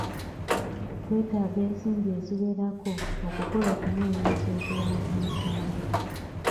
Twetaaga ensimbi eziwerako okukola okunoonyereza okulala ku musango.